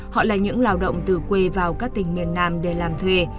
họ là những lao động từ quê vào các tỉnh miền nam để làm thuê